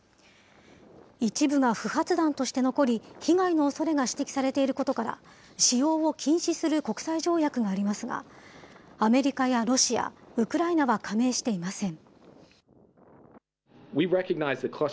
一部が不発弾として残り、被害のおそれが指摘されていることから、使用を禁止する国際条約がありますが、アメリカやロシア、ウクライナは加盟していません。